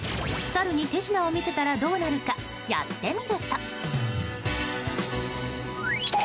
サルに手品を見せたらどうなるかやってみると。